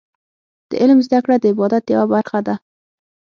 د علم زده کړه د عبادت یوه برخه ده.